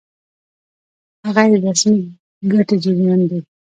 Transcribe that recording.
غیر رسمي ګټې جريان دي.